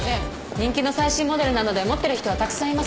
人気の最新モデルなので持ってる人はたくさんいます。